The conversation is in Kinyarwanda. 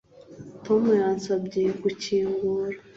Tom yansabye gukingura